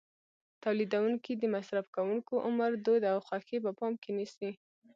تولیدوونکي د مصرفوونکو عمر، دود او خوښې په پام کې نیسي.